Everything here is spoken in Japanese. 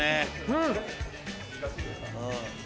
うん！